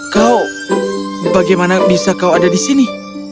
kau bagaimana bisa kau ada di sini